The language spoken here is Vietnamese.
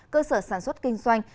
cơ sở sản xuất kinh doanh